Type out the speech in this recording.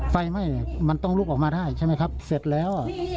ไฟไหม้มันต้องลุกออกมาได้ใช่ไหมครับเสร็จแล้ว